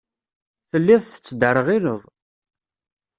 Telliḍ tettderɣileḍ.